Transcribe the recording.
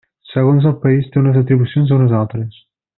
Segons el país, té unes atribucions o unes altres.